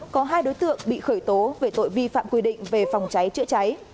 có hai đối tượng bị khởi tố về tội vi phạm quy định về phòng cháy chữa cháy